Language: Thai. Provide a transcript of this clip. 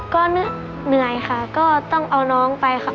ก็เหนื่อยค่ะก็ต้องเอาน้องไปค่ะ